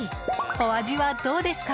お味はどうですか？